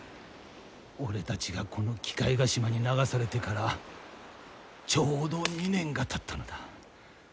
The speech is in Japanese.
俺たちがこの鬼界ヶ島に流されてからちょうど２年がたったのだ。